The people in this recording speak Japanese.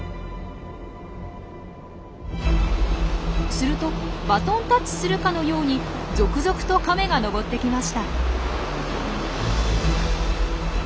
するとバトンタッチするかのように続々とカメが上ってきました。